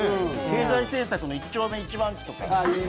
経済政策の一丁目一番地とか。